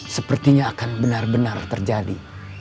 sepertinya akan benar benar terjadi